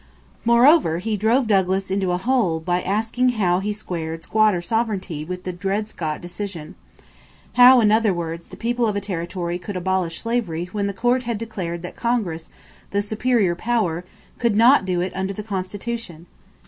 Moreover, he drove Douglas into a hole by asking how he squared "squatter sovereignty" with the Dred Scott decision; how, in other words, the people of a territory could abolish slavery when the Court had declared that Congress, the superior power, could not do it under the Constitution?